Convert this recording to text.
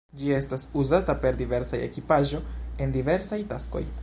Ĝi estas uzata per diversa ekipaĵo, en diversaj taskoj.